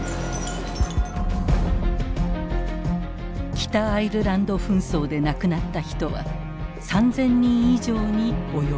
北アイルランド紛争で亡くなった人は３，０００人以上に及ぶ。